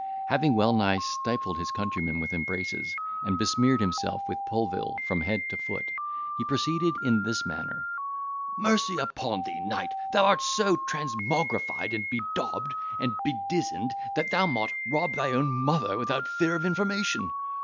Having well nigh stifled his countryman with embraces, and besmeared himself with pulville from head to foot, he proceeded in this manner, "Mercy upon thee, knight, thou art so transmographied, and bedaubed, and bedizened, that thou mought rob thy own mother without fear of information.